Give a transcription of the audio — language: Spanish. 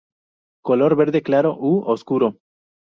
Color verde claro u oscuro.